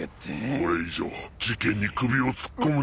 これ以上事件に首を突っ込むな。